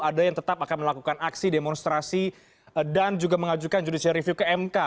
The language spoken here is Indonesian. ada yang tetap akan melakukan aksi demonstrasi dan juga mengajukan judicial review ke mk